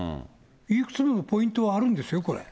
いくつもポイントはあるんですよ、これは。